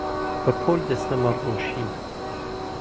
بەپۆل دەچنە مەڕدۆشین